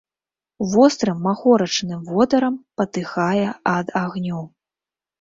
Вострым махорачным водарам патыхае ад агню.